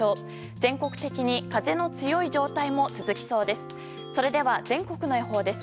全国的に風の強い状態も続きそうです。